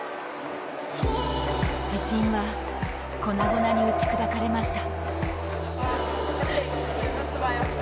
自信は、粉々に打ち砕かれました。